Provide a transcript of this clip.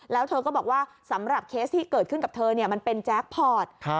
แล้วเธอก็บอกว่าสำหรับเคสที่เกิดขึ้นกับเธอมันเป็นแจ็คพอร์ต